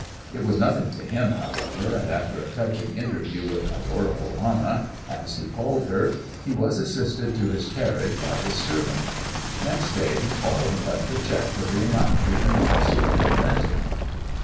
It was nothing to him, however, and after a touching interview with "adorable Anna," as he called her, he was assisted to his carriage by his servant. Next day he called and left a cheque for the amount the impostor had lent him.